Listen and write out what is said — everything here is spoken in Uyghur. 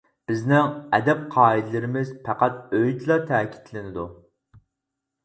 بىزنىڭ ئەدەپ قائىدىلىرىمىز پەقەت ئۆيدىلا تەكىتلىنىدۇ.